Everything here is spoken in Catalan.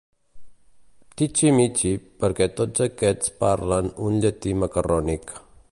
“tichi, michi”, perquè tots aquests parlen un llatí macarrònic.